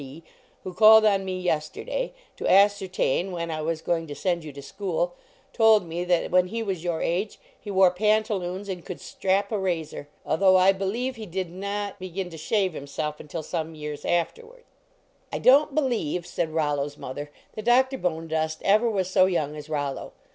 D., who called on me yesterday to ascertain when I was going to send you to school, told me that, when he was your age, he wore pantaloons and could strap a razor, although I believe he did not 21 LEARNING TO DRESS begin to shave himself until some years after wards." "I don t believe," said Rollo s mother, " that Doctor Bonedust ever was so young as Rollo.